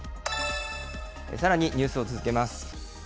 さらに、ニュースを続けます。